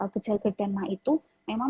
gejala dan mah itu memang